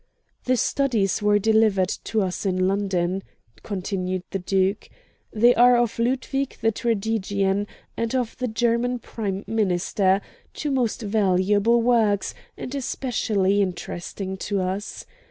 "The studies were delivered to us in London," continued the Duke. "They are of Ludwig the tragedian, and of the German Prime Minister, two most valuable works, and especially interesting to us.